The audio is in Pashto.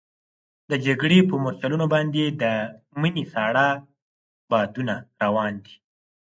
د جګړې پر مورچلونو باندې د مني ساړه بادونه روان دي.